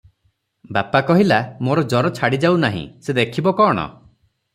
ବାପା କହିଲା, "ମୋର ଜର ଛାଡ଼ିଯାଉ ନାହିଁ, ସେ ଦେଖିବ କଣ?